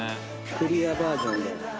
クリアバージョンで。